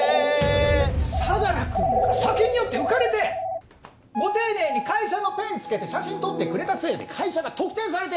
相良君が酒に酔って浮かれてご丁寧に会社のペンつけて写真撮ってくれたせいで会社が特定されて！